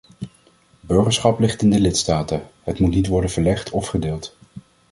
Burgerschap ligt in de lidstaten; het moet niet worden verlegd of gedeeld.